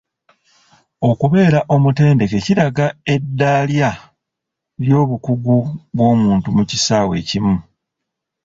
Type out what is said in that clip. Okubeera omutendeke kiraga eddalya ly'obukugu bw'omuntu mu kisaawe ekimu.